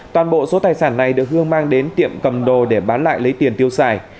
toàn bộ số tài sản này được hương mang đến tiệm cầm đồ để bán lại lấy tiền tiêu xài